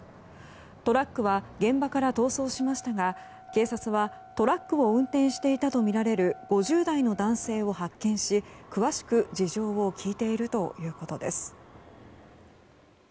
トラックは現場から逃走しましたが警察はトラックを運転していたとみられる５０代の男性を発見し詳しく事情を聴いているということです。